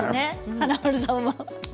華丸さんもね。